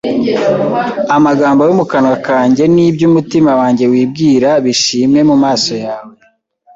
Amagambo yo mu kanwa kanjye n’ibyo umutima wanjye wibwira bishimwe mu maso yawe,